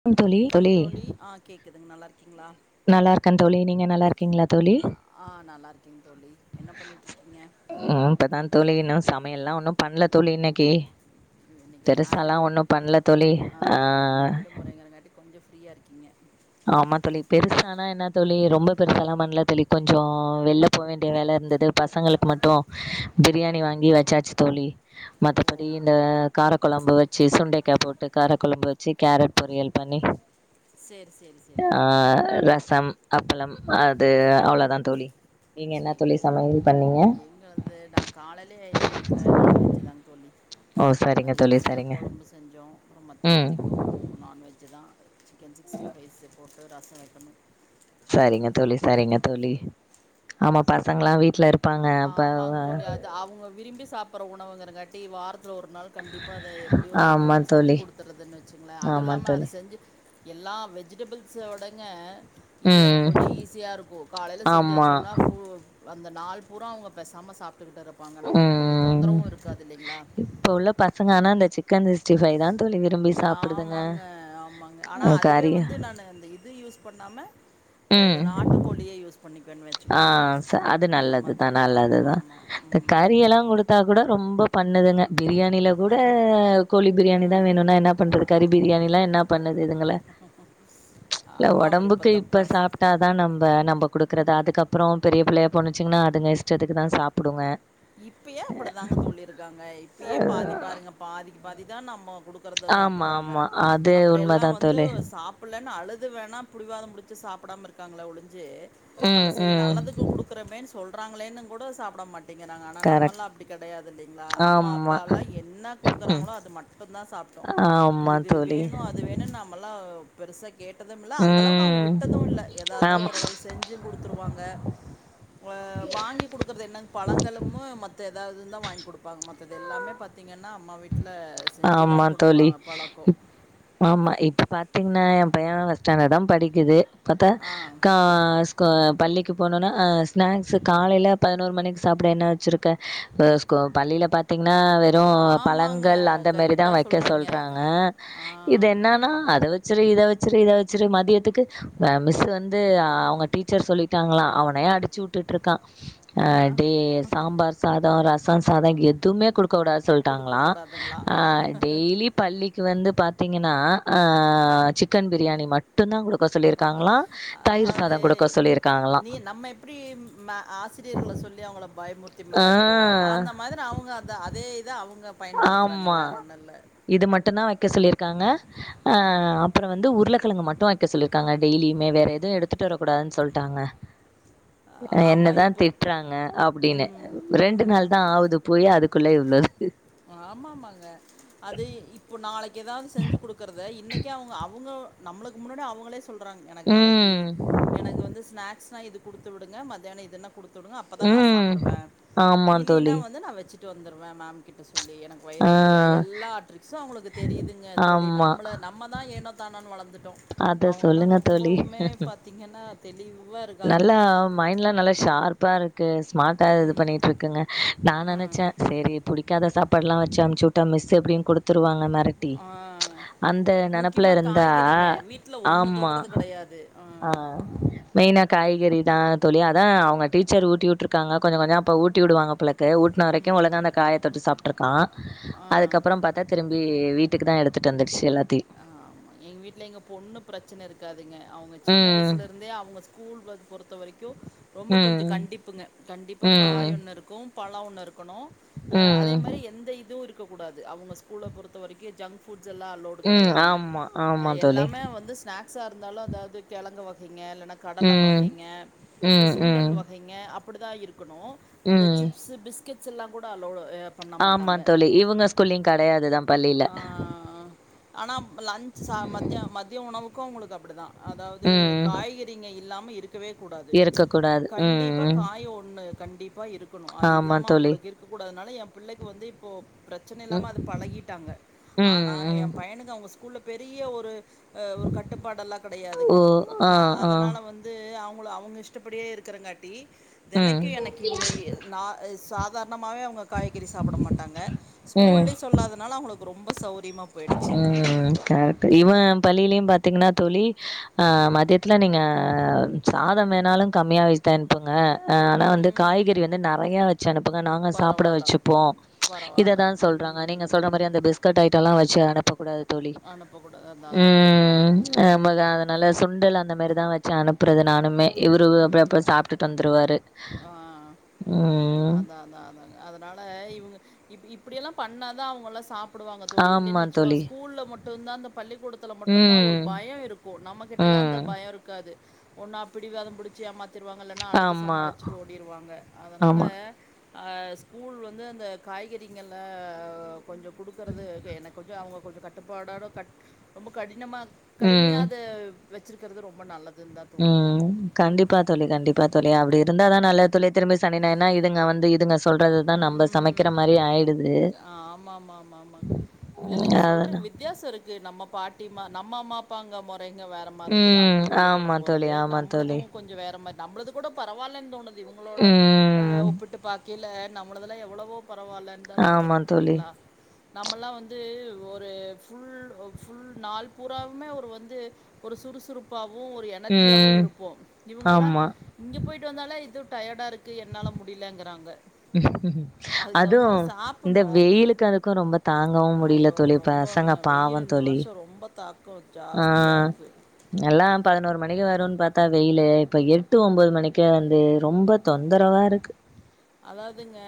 க்கம் தோழி தோழி கேக்குது நல்லா இருக்கீங்களா நல்லா இருக்கேன் தோழி நீங்க நல்லா இருக்கீங்களா தோழி ஆ நல்லா இருக்கீங் தோழி என்ன பண்ணிட்டு இருக்கீங்க சமையல் எல்லாம் ஒன்னும் பண்ணல தோழி இன்னைக்கு இன்னைக்கு ஞாயிறு பெருசால்லாம் வி- ஒண்ணும் பண்ல தோழி ஆ ஃப்ரீயா இருக்கீங்க ஆமா தோழி பெருசானா என்ன தோழி ரொம்ப பெருசா எல்லாம் பண்ணல தோழி கொஞ்சோ வெள்ல போ வேண்டிய வேல இருந்தது பசங்களுக்கு மட்டும் பிரியாணி வாங்கி வச்சாச்சு தோழி ஓ மத்தபடி இந்த காரக்குழம்பு வச்சு சுண்டைக்காய் போட்டு காரக்குழம்பு வச்சு கேரட் பொரியல் பண்ணி சரி சரி சரிங்க ஆ ரசம் அப்பளம் அது அவ்ளோ தா தோழி நீங்க என்ன தோழி சமயல் பண்ண எங்க வந்து நான் காலையிலயே எங்க வீட்டுல நான்வெஜ் தான் தோழி ஓ இது சரிங்க மாரி தோழி இட்லி சரிங்க குழம்பு செஞ்சோம் அப்புறம் ம் மத்தியானத்திக்கும் நான்வெஜ் தா க்கன் சிக்ஸ்டி ஃபைவ்ஸ் போட்டு ரசம் வைக்கணும் சரிங்க தோழி சரிங்க தோழி ஆமா பசங்கலா வீட்ல இருப் ஆமாங்க தோழி அது அவ்ங்க விரும்பி சாப்பிடுற உணவுங்கரங்காட்டி வாரத்து ல ஒரு நாள் கண்டிப்பா அத எப்படியோ ஆமா செஞ்சு தோழி குடுத்துறதுன்னு வச்சுங்களேன் அதுவும் ஆமா இல்லாம அது தோழி செஞ்சு எல்லா வெஜிடபிள்ஸ்ஸோடங்க இது ம் எனக்கு கொஞ்சம் ஈஸியா இருக்கும் காலையில செஞ்சு ஆமா வச்சோம்னா ஃபூ அந்த நாள் பூரா அவங்க பேசாம சாப் விட்டுக்கிட் இருப்பாங்க நமக்கு கொஞ்சோ ம் தொந்தரவும் இருக்காது இல்லைங்களா இப்ப உள்ள பசங்க ஆனா இந்த சிக்கன் சிக்ஸ்டி ஃபைவ் தான் நா ஆமாங்க ஆமாங்க ஆனா அதுவே கறியா வந்து நான் அந்த இது யூஸ் பண்ணாம அ அத ம் நாட்டுக்கோழியே யூஸ் பண்ணி ஆ ச அது நல்லதுதான் நல்லதுதான் ஆமாமா. இந்த ம். கறியெல்லாம் கொடுத்தா கூட ரொம்ப பண்ணுதுங்க பிரியாணியில கூட கோழி பிரியாணி தான் வேணும்னா என்ன பண்றது கறி பிரியாணிலாம் ஒன்றும் என்ன பண்ணுது இதுங்கல இல்ல ஆமாம் அப்படி இப்போ ஒடம்புக்கு இப்ப தப்பா சாப்ட்டாதான் நம்ப நம்ப கொடுக்குறது அதுக்கப்புறொ பெரிய பிள்ளையா போன்னுச்சுங்கன்னா அதுங்க இஷ்டத்துக்கு தான் சாப்புடுங்க இப்பயே அப்டித்தாங்க தோழி இருக்காங்க இப்பயே பாதி பாருங்க பாதிக்கு பாதிதான் நம்பொ கொடுக்கறத ஆமா, சாப்டுறாங்க ஆமா. அது அப்புற எல்லாம் உண்மதான் வந்து தோழி. சாப்பல னு அழுது வேணா புடிவாத முடிச்சு சாப்பிடாம இருக்காங்கள ஒழு ஞ்சு நம்ம ம், சரி ம். நல்லதுக்கு கொடுக்குறோமேன்னு சொல்கிறாங்களேன்னு கூட சாப்ட மாட் டேங்கறாங்க ஆனா கரெக்ட். நம்மல்லா அப்டி கிடையாது இல்லைங்களா அம்மா ஆமா. அப்பா என்ன கொடுக்குறாங்களோ அது மட்டும் தான் சாப் ஆ இது வேணு அது வேணும் நம்மல்லா கேட்டதும் இல்ல அந்த அளவுக்கு அவங்க ம். விட்டதும் இல்ல எதா இருந்தாலும் ஆமா. ஓரளவு செஞ்சும் கொடுத்துருவாங்க அ வாங்கி கொடுக்கறது என்னங் பழங்களும்மு மத்த ஏதாவ்து தான் வாங்கி கொடுப்பாங்க மத்தது எல்லாமே பாத்தீங்கன்னா அம்மா வீட்டு ஆமா தோழி ம் ஆமா இப்ப பா த்தீங்கன்னா என் பையன் ஃபஸ்ட் ஸ்டாண்டர்ட் தான் படிக்குது பத்தா ஆ கா ஸ்கூ பள்ளி க்கு போனனா ஸ்நாக்ஸ் காலையில பதினோரு மணிக்கு சாப்ட என்ன வச்சிருக்க அ ஸ்கூ பள்ளியில பாத்தீ ங்னா வெறும் ஆமாங்க பழங்கள் அந் ந்த மேரிதா கரெக்டாக வக்க சொல்கிறீங்க சொல்றாங்க ஆ இது என்னானா அத வச்சுரு இத வ ச்சுரு இத வச்சுரு மதியத்துக்கு மே மிஸ் வந்து அவங்க டீச்சர் சொல்லிட்டாங்களா அவனே அடிச்சு வுட்டுட்ருக்கா ஆ, அ டே சாம்பார் சாத ரச சாத எதுமே குடுக் கூடா சொல்ட்டாங்களா கொடுக்கக்கூடாதுங்களா அ டெய்லி பள்ளிக்கு வந்து பாத் த்திங்கனா அ சிக்கன் பிரியாணி மட் அதாவது சாதம் குடுக்க சொல்லியிருக்காங்களாம். நீ நம்ம எப்டி மே ஆ சிரியர்கள சொல்லி அவுங்கள பயமுர்த்தி ஆ மெரட்றோ அந்த மாதிரி அவுங்க அந்த அதே இத ஆம்மா இது மட்டுந்தா வக்க சொல்லிருக்காங்க அ அப்ற வந்து உருளக்கெழங்கு மட்டு வக்க சொல்லிருக்காங்க டெய்லியுமே வேற எது எடுத்துட்டு வரக்கூடாதுன் சொல்ட்டா ங்க ஆமாம் என்னதா இப்போ திட்றாங்க அப்டினு ம் ரெண்டு ம் நாள்தா ஆவுது போயி அதுக் குள்ள இவ்ளவு ஆமாமாங்க அது இ இப்போ நாளைக்கு எதாவது செஞ்சு குடுக்குறத இன்னைக்கே அவுங்க அவுங்க நம்ளுக்கு முன்னாடி அவுங்களே சொல்றாங் எனக்கு நாளைக்கி ம். எனக்கு வந்து ஸ்னேக்ஸ் ந இது குடுத்துடுங்க மத்தியான இதுன குடுத்துடுங்க அப்பதா நா ம் சாப்பிடுவே ஆமா தோழி இல்லினா வந்து நா வச்சு ட்டு வந்துருவே மேம் கிட்ட சொ சொல்லி எனக்கு ஆ வயிறு வலிக்கி எல்லா ட்ரிக்ஸும் அவுங்களுக்கு தெரியுதுங்க தோழி ஆமா நம்மள நம்மதா ஏனோ தானோன்னு வளந்துட்டோ அத அவுங்கலா சொல்லுங்க தோழி ரொம்பவுமே பாத்தீங்கன்னா நல்லா மைண்ட்லா நல்லா ஷார்ப்பாருக்குஸ் ஸ்மார்ட்டா இது ம். பண்ணிட்ருக்குங்க நா அ. நெனச்சே சேரி புடிக்காத சாப்பாட்லா வ ச்சு அம்சூட்டா மிஸ் எப்டியு குடுத்துட் ருவாங்க மெரட்டி ஆ அந்த முக்கியமாக நெனப்புலருந்தா காய்கறிங்க வீட்டில் ஒன்று ஆம்மா தொடுறது கிடையாது ஆ மெயினா காய்கறிதா தோழி அதா அவுங்க டீச்சர் ஊட்டி வுட்டுருக்காங்க கொஞ்ச கொஞ்ச அப்ப ஊட்டி வுடுவாங்க போல க ஊட்ன வரைக்கு ஒழுங்கா ம் அந்த காய தொட்டு சாப்ட்ருக்கா ஆ அதுக்கப்புறம் பாத்தா திரும்பி கி வீட்டுக்குதா எடுத்துட்டு வந்துடுச்சு எல்லாத் ஆமா எங்க வீட்ல எங்க பொண்ணு பிரச்சனருக்காதுங்க அவுங்க சின்ன ம் வயசுலருந்தே அவுங்கஸ் ஸ்கூல் பேக் பொறுத்த வரைக்கு ரொம்ப கொஞ்ச ம் கண்டிப்புங்க கண்டிப்பா காய் ம் ஒன்னு இருக்கு பழ ஒன்னு இருக்கணு அ அதே மாரி ம் எந்த இதுவு இருக் க்ககுடாது அவுங்க ஸ்கூல பொறுத்த வரைக்கு ஜங்க் ஃபுட்ஸ் எல்லா அலோ ம் கெடையாதுங்க ஆமா ஆமா தோழி. எல்லாமே வந்து ஸ்னேக்ஸா இருந்தாலு அதாவது கெழங்கு வ ங்க இல்லனா கடல ம் வகைங்க இல்ல ம் சுண்டல் ம் வகைங்க அப்டிதா இரு க்குணு இந்த ம் சிப்ஸ்ஸு பிஸ்கெட்ஸ் எல்லாங் கூட அலோடு அ பண்ண ஆமாந் தோழி இவுங்க ஸ்கூல்லியுங் கெடையாதுதா ஆ ஆனா ம் லன்ச் சா மத்திய மத்திய உணவுக்கு உங்ளுக்கு தப்டிதா அதாவது ம் காய்கறிங்க இல்லாம இருக் க்கவே கூடாது இருக்கக்கூடாது. கண்டீப்பா ம் காய் ஒன்னு கண்டீப்பா இருக் க்குனு அது ஆமா இல்லாம தோழி. அவுங்களுக்கு இருக்கக்கூடாதுனால ஏம் பிள்ளைக்கு வந்து இப்போ பிரச்சன இல்லாம ம் அது பழகிட் ட்டாங்க ஆனா ம் ம் ஏம் பையனுக்கு அவுங்க ஸ்கூல்ல பெரிய ஒரு அ ஒரு கட்டுப்பாடெல்லா ஓ கெடையாதுங்க ஆ அ ஆ அதனால வந்து அவுங் கள அவுங்க இஷ்டப்படியே இருக்கிறங்காட்டி ம் தெனைக்கு எனக்கு இவுங்க நா சாக் ன்னமாவே அவுங்க காய்கறி சாப்பட மாட்டாங்க ஸ்கூல்லியு சொல்லாதனால அவுங்குளுக்கு ரொம்ப செள அ அ கரட்டு இவ பள்ளிலியும் பாத் திங்னா தோழி ஆ மதியத்துல நீங்க சாதம் வேணாலு கம்மியா வச் அன்ப்புங்க அ ஆனா வந்து ம் காய்கறி வந்து நெறைய வச்சனுப்புங்க நாங்க சாப்பிட பரவாயில்ல வச்சுப்போ பரவாயில்ல இததா சொல்றாங்க நீங்க சொல்ற ம் மாரி அந்த பிஸ்கட் ஐட்டலா வ ச்சு அனுப்பகுடாது தோழி அனுப்பக்கூடாது அதான் அதான் அதான் உம் உம் உம் உம் ம் நம்ம அதனால சுண்டல் அந் இந்த மேரிதா வச்சு அனுப்புறது நானுமே இவரு அப்டி ம் அப்ற சாப்டுட்டு வந்துருவாரு ஆ ஆ ம் ஆ அதா அதா அதாங்க அதனால இவு இப் இப்புடியெல்லாம் பண்ணாதா அவுங்கல்லா சாப்டுவாங்க தோழி இல்லின் ஆமா வச்சுகோ தோழி ஸ்கூல்ல மட்டுந்தா அந்தப் பள்ளிக்கூடத்துல மட்டுந்தா ஒரு ம் பய இருக்கு நம்ம கிட்டலா அந்த ம் பய இருக்காது ஒன்னா பிடிவாத புடிச்சி ஏமாத்திருவாங்க இல்லனா அழுது ஆமா சமாளிச் ச்சுட்டு ஓடிருவாங்க அதனால ஆமா ஆ ஸ்கூல் வந்து அந்த காய்கறிங்கள கொஞ்ச குடுக்கறது எ எனக்கு கொஞ்ச அவ்ங்க கொஞ்ச கட்டுப்பாடோட கட் ரொம்ப கடினமா கடுமையா ம் அத வச்சிருக்கிறது ரொம்ப நல்லது ம் கண்டிப்பா தோழி கண்டிப்பாத் தோழி அப்டி இருந்தா தா நல்லது தோழி திரும்ப சனி ஞாயிறுனா இதுங்க வந்து இதுங்க சொல்றத தா நம்ப சமைக்கிறம் மாரி ஆயிடுத் ஆமாம்மாம்மாம்மா இல்ல ம் இல்லைங் சொல்றங் அதனா வித்தியாச இருக்கு நம்ம பாட்டிமா நம்ம அம்மாப்பாங்க மொற் ங்க வேறமார்ருந்தது ம் அவுங்க பள்ளிக்கூட ஆமா தோழி போறது ஆமா நம்மளது தோழி கொஞ்ச வேற மாரி நம்மளது கூட பரவால்லன் தோணுது இந்த இவுங்களோட ஆ ம் ஒப்பிட்டு பாக்கேல நம்மளதுலா எவ்வளவோ பரவால்ல ஆமா தோணுது தோழி தெரியுங்ளா நம்மலா வந்து ஒரு ஃபுல் அ ஃபுல் நாள் பூராவுமே ஒரு வந்து ஒரு சுறுசுறுப்பாவு ஒரு எனர்ஜியாவு ம் இருப்போ இவுங்கலா ஆமா இங்க போயி்ட்டு வந்தாலே இது டயர்டா இருக்கு என்னால முடிய்லங்கிறாங்க அதுவு இந்த சாப்பிட்ணும் வெயிலுக்கு அதுக்கு ரொம்ப தாங்கவு முடியல ஐயோ தோழி ரொம்ப பசங்க பாவ வெயில் இந்த தோழி வருஷம் ரொம்ப தாக்கம் ஆ ஜாஸ்தியாக இருக்குது எல்லா பதுனோரு மணிக்கு வருன் பாத்தா வெயிலு இப்ப எட்டு ஒம்போது மணிக்கே வந்து ரொம்ப தொந்தரவா இருக்கு அதாவ்துங்க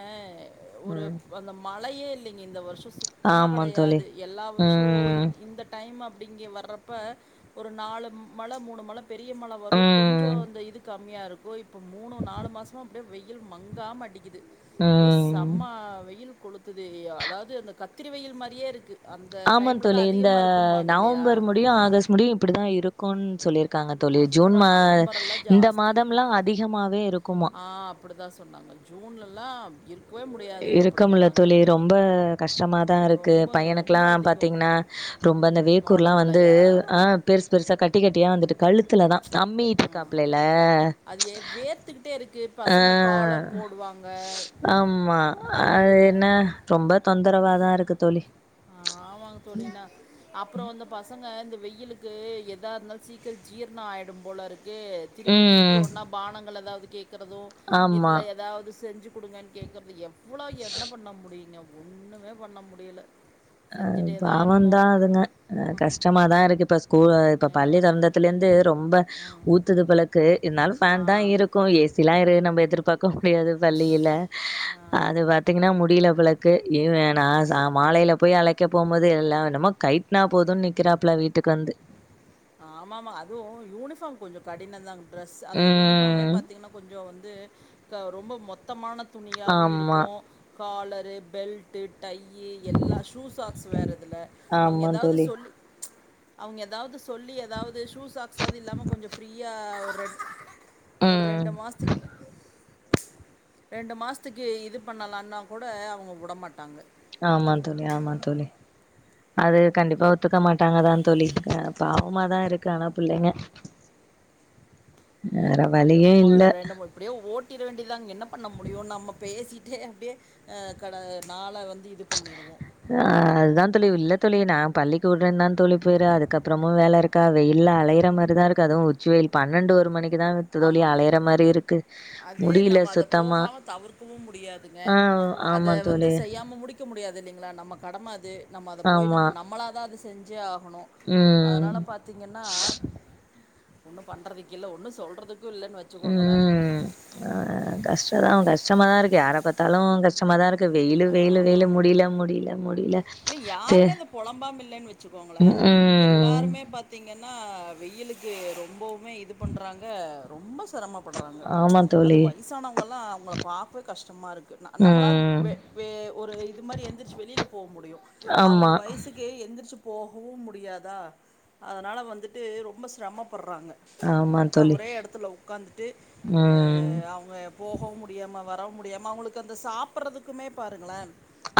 ஒரு ம் அந்த மழையே இல்லைங்க இந்த வர்ஷ சுத்தமா ஆமா தோழி கெடையாது எல்லா வர்ஷமு ம் இந் இந்த டைம டு இங்கெ வர்றப்ப ஒரு நாலு மழ மூணு மழ பெரிய மழ வரு கொஞ்சோ ம் அந்த இதுக்கா கம்மியா இருக்கு இப்போ மூணு நாலு மாசமா அப்டியே வெயில் மங்காம அடிக்குது பே ம் செம்மா வெயில் கொளுத்துது அதாவ்து அந்த கத்திரி வெயில் மாரியே இருக்கு ஆமா தோழி இந்த இல்லையா நவம்பர் முடியு ஆகஸ்ட் முடியு இப்டிதா இருக்குன் சொல்லிருக் காங்க தோழி ஜூன் அப்பா மா நவம்பரெல்லாம் இந்த ஜாஸ்தி மாதம்லா அதிகமாவே இருக்குமா அ ஜூன்லலாம் இருக்கவே முடியாது இருக்க முட்ல அப்படிங்கிறாங்க தோழி ரொம்ப கஷ்டமாதா இருக்கு ரொம்ப பையனுக்குலா ரொம்ப அதிகம் பாத்தீங்னா ரொம்ப அந்த ம், வேர்க்கூர்லா வந்து உடம்புலயா ஆ பெருசு பெருசா கட்டி கட்டியா வந்துட்டு கழுத்துலதா ஆ தம்பிகிட்ருக்காப்ளைல அது ஏ- வேர்த்துக்கிட்டே இருக்குது பசங்க காலர் போடுவாங்க அ ஆமா அது வெயில என்ன ரொம்ப தொந்தரவாதா இருக்கு தோழி ஆமாங்க தோழி இன்னா அப்றோ இந்த பசங்க இந்த வெயிலுக்கு எதா இருந்தாலு சீக்கிர ஜீர்ண ஆயிடும் போல இருக் கு திருப்பி திருப்பி ம். ஒன்னா பானங்கள் எதாவ்து கேக்கறது இல்ல ஆமா. எதாவ்து செஞ்சு குடுங்கன் கேக்கற்து எவ்ளோ என்ன பண்ண முடியுங்க ஒன்னுமே பண்ண முடியல அ செஞ்சுட்டே தான் பாவந்தா இருக்கோம் அதுங்க அ கஷ்டமாதா இருக்கு இப்ப ஸ்கூலு இப்ப பள்ளி ஆ தொறந்தத்ல இருந்து ரொம்ப ஊத்துது போலக்கு இருந்தாலு ஃபேன் தா ஆ இருக்கு ஏ சி லா இரு நம்ப எதிர்பாக் க்க முடியாது பள்ளியில ஆ ஆ. அது பாத்தீங்கனா முடிய்ல போல க்கு எது வேணா ச மாலைல போய் அழைக்க போம் போது எல்லா நம்ம கைட்னா போதுன் நிக்கிறாப்ல வீட்டுக்கு வந்து ஆமாம்மா அதுவு யூனிஃபாம் கொஞ்ச கடினந்தாங்க டிரெஸ் அந்த யூனிஃபாமே ம் பாத்தீங்னா கொஞ்ச வந் து க ரொம்ப மொத்தமான துணியாவு இருக்கு ஆமாம் காலரு பெல்ட்டு டையி எல்லா ஷூ சாக்ஸ் வேற இதுல அவுங்கெ ஆமாம் எதாவ்து தோழி சொல்லி அவ்ங்க எதாவ்து சொல்லி எதாவ்து ஷூ சாக்ஸ்ஸாவ்து இல்லாம கொஞ்ச ஃப்ரீயா ஒரு ரெண்ட் ஒரு ம் ரெண்டு மாசத்துக் ரெண்டு மாஸ்த்துக்கு இது பண்ணலானா கூட அவுங்க விடமாட்டாங்க ஆமா தோழி ஆமா தோழி அது கண்டிப்பா ஒத்துக்க மாட்டாங்கதான் தோழி அ பாவமாதா இருக்கு ஆனா பிள்ளைங்க வேறு என்னமோ அப்டியே வழியே போ இல்லை ரெண்டு இப்டியே ஓட் டிட வேண்டிய தான் என்ன பண்ண முடியு நாம பேசிட்டே அப்டியே கட நாள வந்து இது பண்ணிடுவோம் அ அது தான் தோழி இல்ல தோழி நான் பள்ளிக்கூடன் தான் தோழி போரு அதுக்கப்புறமு வேலை இருக்கா வெயில் அலையிற மாரி தா இருக்கு அதுவு உச்சி வெயில் பன்னெண்டு ஒரு மணிக் ஆமாங்க அது முடியல நம்ம அத சுத்தமா. போகாம தவிர்க்கவு முடியாதுங்க ஆ அத ஆமா வந்து தோழி. செய்யாம முடிக்க முடியாது இல்லைங்களா நம்ம கடம அது நம்ம அத போய் ஆமா. நம்ம நம்மளா தா அத செஞ்சே அவு போனோ ம். அதனால பாத்தீங்கன்னா ஒன்னு பண்றதுக்கு இல்ல ஒன்னு சொல்றது எதுவு இல்லன்னு வச்சுக்கோங்கலே கஷ்டமாக தா இருக்கு யார பாத்தாலு கஷ்டமாக தா இருக்கு வெயிலு வெயிலு வெயிலு முடியல முடியல முடியல. இல்ல சே யாருமே இத பொலம்பாம இல்லன்னு வெச்சிக்கோங்கலே ம். எல்லாருமே பாத்தீங்கன் னா வெயிலுக்கு ரொம்பவுமே இது பண்றாங்க ரொம்ப. ரொம்ப செரமப்பட்றாங்க ஆமா அது தோழி. வயசானவங்கல்லா அவங்கள பாக்கவே கஷ்டமா இருக் ந நம்மளாது ம். வெ வெ ஒரு இது மாரி எந்திரிச்சி வெளியில போ முடியு அவுங்க ஆமா. வயசுக்கே எந்திரிச்சு. போகவு முடியாதா அதனால வந்துட்டு ரொம்ப சிரம கூப்புட்றாங்க ஆமா உக்கா தோழி. ஒரே எடத்துல உட்காந்துட்டு அ ம். அவுங்க போகவு முடியாம வர வரவும் முடியாம அவுங்களுக்கு அந்த சாப்பிட்றதுக்குமே பாருங்களே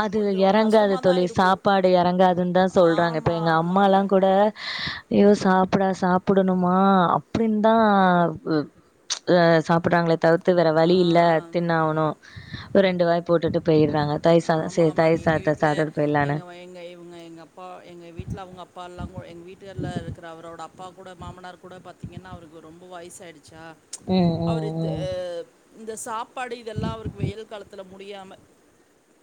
அது எறங்காது. தோழி சாப்பாடு எறங்காதுன்னு தான் சொல்றாங்க இப்ப ஆமாம் எங்க ஆமாங்க அம்மாலாங்கூட. ஐயோ சாப்டா சாப்புடணுமா அப்டின்னு தான் அ சாப்பிட்றாங்களே தவிர் து வேற ஆ வழி இல்ல தின்னு ஆவணு ஓர் ரெண்டு வாய் போட்டுட்டு போயிட்றாங்க தயிர் சாத ஆமாம்மா இங்க எங்க வீட்ல எங்க இங்க இவுங்க எங்க அப்பா எங்க வீட்ல அவுங்க அப்பால்லா கூட எங்க வீட்கார். உள்ள இருக்கற அவரோட அப் அப்பா கூட மாமனார் கூட பாத்தீங்கன்னா அவருக்கு ரொம்ப வயசாயிடுச்சா ம், அவரு த ம், ம். இந்த சாப்பாடு இதெல்லா அவருக்கு வெயில் காலத்துல முடியாம.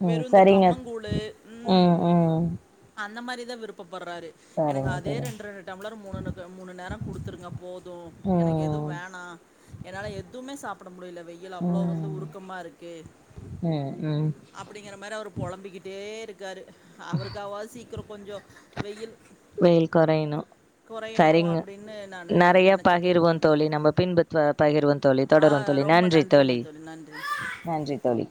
ம். வெறு இந்த சரிங்க. கம்மங்கூளு ம் அந்த மாரிதான் விருப்ப பட்றாரு எனக்கு சரிங்க அதே தோழி. ரெண் ரெண்டு டம்ளர் மூணுக்கு மூணு நேரோ குடுத்துருங்க போது எனக்கு எதுவு வே ம். வேணா என்னால எதுவுமே சாப்பிட முடியல வெயிலு அவ்ளோ வந்து உருக்கமா இருக்கு. அ ம் அப்படிங்கிற மாரி அவரூ பொலம்பிக்கிட்டே இருக்காரு அவருக்காவாது சீக்கிரோ கொஞ்சோ வெயில். வெயில் கொறையணு குறையணும் சரிங்க அப்படின்னு நான் நறையா நினச்சிட்டு பகிர்வோம் இருக்கேன் தோழி நம்ம பின்பு பகிர்வோம் தோழி ஆ தொடர்வோ தோ ழி ரொம்ப நன்றி நன்றிங்க தோழி நன்றி நன்றி தோழி